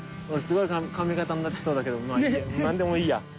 俺すごい髪形になってそうだけどまあいいや。